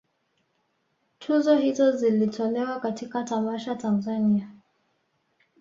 Tuzo hizo zilitolewa katika tamasha Tanzania